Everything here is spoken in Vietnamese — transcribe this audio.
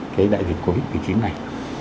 cái đại dịch covid một mươi chín này